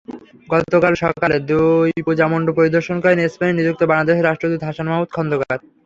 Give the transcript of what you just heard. গতকাল সকালে দুই পূজামণ্ডপ পরিদর্শন করেন স্পেনে নিযুক্ত বাংলাদেশের রাষ্ট্রদূত হাসান মাহমুদ খন্দকার।